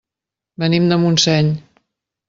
Venim de Montseny.